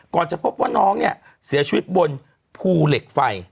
จะพบว่าน้องเนี่ยเสียชีวิตบนภูเหล็กไฟ